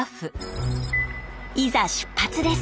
いざ出発です。